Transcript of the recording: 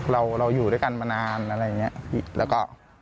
เราอยู่ด้วยกันมานานอะไรอย่างนี้แล้วก็